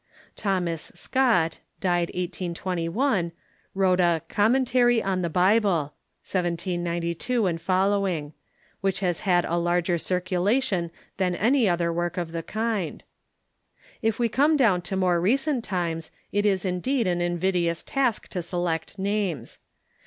Thomas Scott (died 1821) wrote a "Commentary on the Bible" (1792 and foil.) which has had a larger circulation than any other work of the kind. If w^e come down to more recent times it is indeed an invidious task to select names.